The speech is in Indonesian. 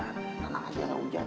kan aja gak hujan